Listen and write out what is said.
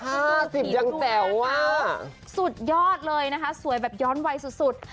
ห้าสิบยังแจ๋วอ่ะสุดยอดเลยนะคะสวยแบบย้อนวัยสุดสุด